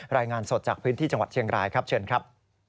รายงานสดจากพื้นที่จังหวัดเชียงรายครับเชิญครับ